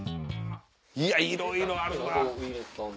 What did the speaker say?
いやいろいろあるな。